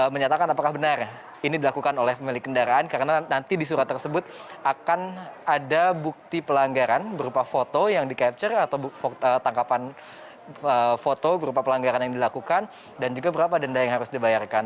menyatakan apakah benar ini dilakukan oleh pemilik kendaraan karena nanti di surat tersebut akan ada bukti pelanggaran berupa foto yang di capture atau tangkapan foto berupa pelanggaran yang dilakukan dan juga berapa denda yang harus dibayarkan